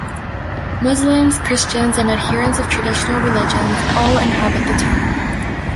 Muslims, Christians and adherents of traditional religions all inhabit the town.